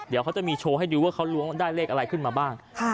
เดี๋ยวเขาจะมีโชว์ให้ดูว่าเขาล้วงได้เลขอะไรขึ้นมาบ้าง